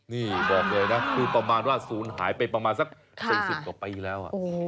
นี่บอกเลยนะคือประมาณว่าศูนย์หายไปประมาณสัก๔๐กว่าปีแล้ว